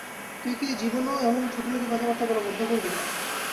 তুই কি জীবনেও এমন ছোটলোকি কথাবার্তা বলা বন্ধ করবি না?